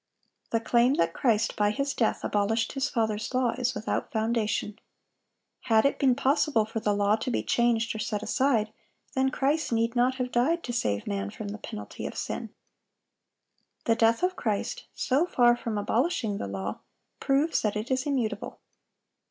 (781) The claim that Christ by His death abolished His Father's law, is without foundation. Had it been possible for the law to be changed or set aside, then Christ need not have died to save man from the penalty of sin. The death of Christ, so far from abolishing the law, proves that it is immutable.